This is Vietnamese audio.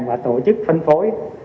và tổ chức phân phối